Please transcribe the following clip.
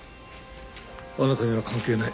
あなたには関係ない。